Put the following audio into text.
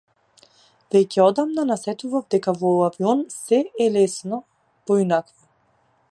Веќе одамна насетував дека во авион сѐ е лесно, поинакво.